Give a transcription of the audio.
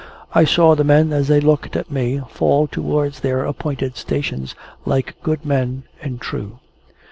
I saw the men, as they looked at me, fall towards their appointed stations, like good men and true.